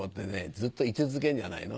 ずっと居続けるんじゃないの？